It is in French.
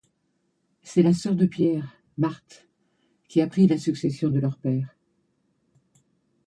C'est la sœur de Pierre, Marthe qui a pris la succession de leur père.